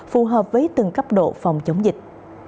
phù hợp với từng cấp độ phòng chống dịch